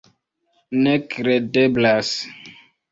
Nekredeblas.